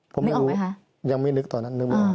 ผมไม่รู้ยังไม่นึกตอนนั้น